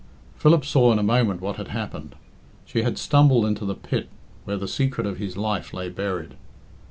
Philip saw in a moment what had happened. She had stumbled into the pit where the secret of his life lay buried.